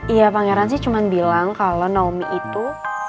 iya pangeran sih cuma bilang kalau naomi itu